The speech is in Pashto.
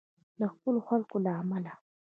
د خپلو خلکو له امله.